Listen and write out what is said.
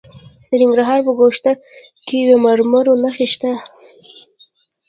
د ننګرهار په ګوشته کې د مرمرو نښې شته.